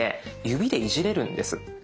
指でいじれるんです。